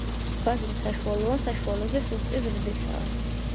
ვაზი საშუალო ან საშუალოზე სუსტი ზრდისაა.